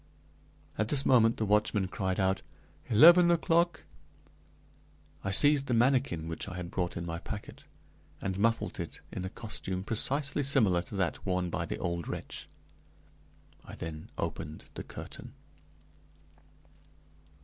At this moment the watchman cried out, "Eleven o'clock!" I seized the manikin which I had brought in my packet, and muffled it in a costume precisely similar to that worn by the old wretch. I then opened the curtain.